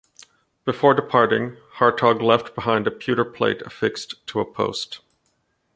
Before departing, Hartog left behind a pewter plate affixed to a post.